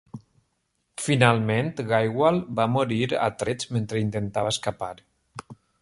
Finalment, Gaywal va morir a trets mentre intentava escapar.